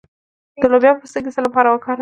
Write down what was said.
د لوبیا پوستکی د څه لپاره لرې کړم؟